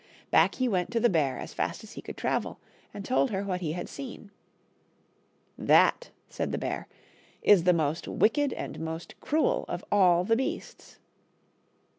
Back he went to the bear as fast as he could travel, and told her what he had seen. " That," said the bear, " is the most wicked and most cruel of all the beasts."